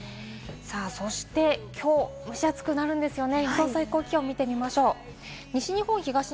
そして、きょうも蒸し暑くなるんですよね。